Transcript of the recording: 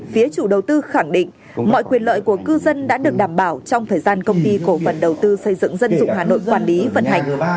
phía chủ đầu tư khẳng định mọi quyền lợi của cư dân đã được đảm bảo trong thời gian công ty cổ phần đầu tư xây dựng dân dụng hà nội quản lý vận hành